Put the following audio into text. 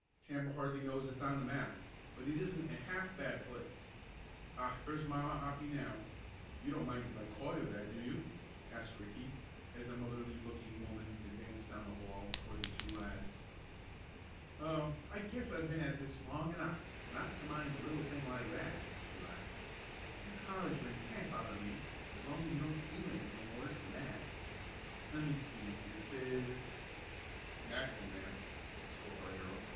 Tampa hardly knows it's on the map, but it isn't a half bad place. Ah, here's Mamma Hoppy now. You don't mind if I call you that; do you?" asked Ricky, as a motherly looking woman advanced down the hall toward the two lads. "Oh, I guess I've been at this long enough not to mind a little thing like that," she laughed. "You college men can't bother me as long as you don't do anything worse than that. Let me see, this is " "Matson, ma'am," spoke our hero.